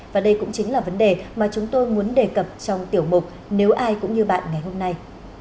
và đây cũng chính là vấn đề mà chúng tôi muốn đề cập trong tiểu mục nếu ai cũng như bạn ngày hôm nay